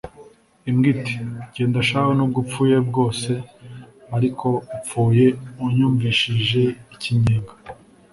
imbwa iti «genda shahu n'ubwo upfuye bwose ariko upfuye unyumvishije ikinyenga